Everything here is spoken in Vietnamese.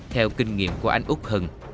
theo kinh nghiệm của anh út hần